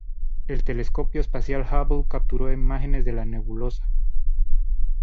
El telescopio espacial Hubble capturó imágenes de la nebulosa.